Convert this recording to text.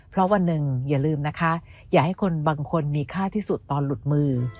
เพราะวันหนึ่งอย่าลืมนะคะอย่าให้คนบางคนมีค่าที่สุดตอนหลุดมือ